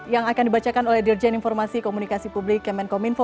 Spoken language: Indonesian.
yang akan dibacakan oleh dirjen informasi komunikasi publik kemenkominfo